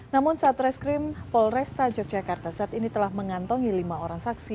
namun satreskrim polresta yogyakarta saat ini telah mengantongi lima orang saksi